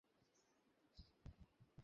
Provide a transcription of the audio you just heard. আপনি বসুন না।